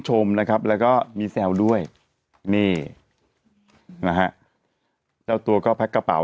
ชมนะครับแล้วก็มีแซวด้วยนี่นะฮะเจ้าตัวก็แพ็กกระเป๋า